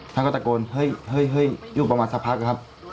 ท่านก็ตะโกนเฮ้ยอยู่ประมาณสักพักครับ